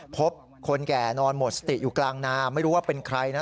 คนแก่นอนหมดสติอยู่กลางนาไม่รู้ว่าเป็นใครนะ